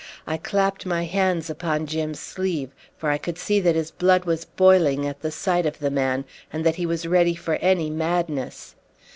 I clapped my hands upon Jim's sleeve, for I could see that his blood was boiling at the sight of the man, and that he was ready for any madness.